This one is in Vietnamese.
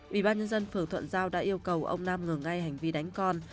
ubnd phường thuận giao đã yêu cầu ông nam ngừng ngay hành vi đánh con